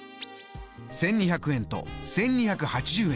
１２００円と１２８０円。